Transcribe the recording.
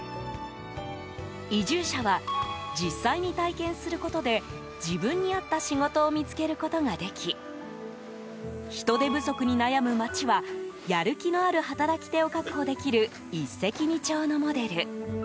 移住者は、実際に体験することで自分に合った仕事を見つけることができ人手不足に悩む町はやる気のある働き手を確保できる一石二鳥のモデル。